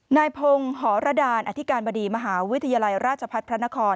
นายพงศ์หรดานอธิการบดีมหาวิทยาลัยราชพัฒน์พระนคร